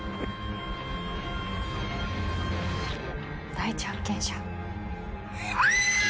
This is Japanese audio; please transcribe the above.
第一発見者。